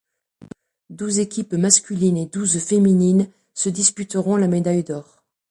Douze équipes masculines et douze féminines se disputeront la médaille d'or.